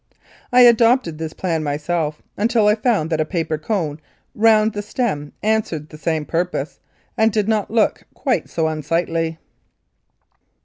I adopted this plan myself, until I found that a paper cone around the stem answered the same purpose, and did not look quite so unsightly.